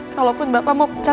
kalaupun bapak mau pencet saya